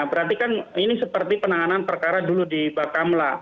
berarti kan ini seperti penanganan perkara dulu di bakamla